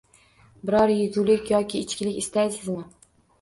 Biror yegulik yoki ichkilik istaysizmi?